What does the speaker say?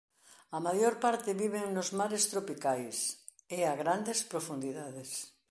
A maior parte viven nos mares tropicais e a grandes profundidades.